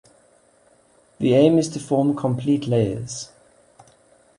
The aim is to form complete layers.